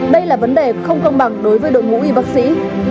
đây là vấn đề không công bằng đối với đội ngũ y bác sĩ